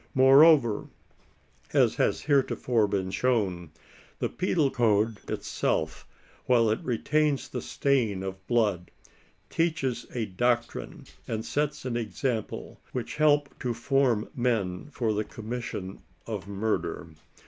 Moreover, as has heretofore been shown, the penal code itself, while it retains the stain of blood, teaches a doctrine and sets an example which help to form men for the commission of murder.